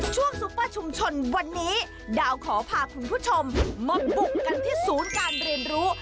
ซูเปอร์ชุมชนวันนี้ดาวขอพาคุณผู้ชมมาบุกกันที่ศูนย์การเรียนรู้